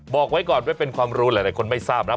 บอกไว้ก่อนไว้เป็นความรู้หลายคนไม่ทราบนะ